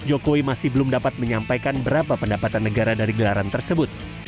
jokowi masih belum dapat menyampaikan berapa pendapatan negara dari gelaran tersebut